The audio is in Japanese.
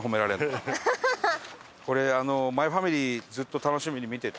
俺あの『マイファミリー』ずっと楽しみに見てて。